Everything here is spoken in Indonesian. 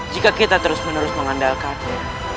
jika kita terus menerus mengandalkannya